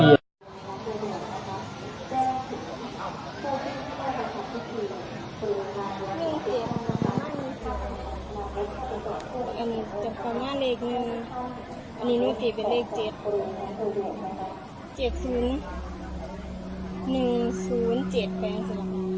หายภูมิหายโศกหายโรคหายไตมิตรฟังเจริญเหลืองทางหน้าที่การงานการเงินธุรกิจ